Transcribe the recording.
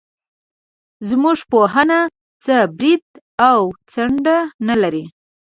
زموږ پوهنه څه برید او څنډه نه لري.